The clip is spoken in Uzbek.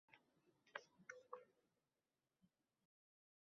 Ming bir dardimga darmon!